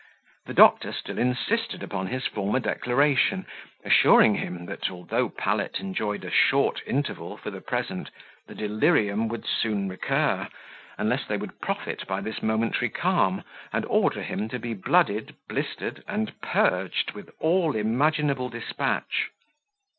The doctor still insisted upon his former declaration assuring him, that although Pallet enjoyed a short interval for the present, the delirium would soon recur, unless they would profit by this momentary calm, and order him to be blooded, blistered, and purged with all imaginable despatch.